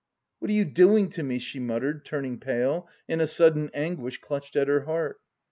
"What are you doing to me?" she muttered, turning pale, and a sudden anguish clutched at her heart.